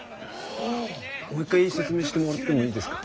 もう一回説明してもらってもいいですか？